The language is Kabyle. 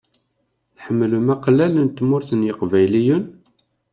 Tḥemmlem aqellal n Tmurt n yeqbayliyen?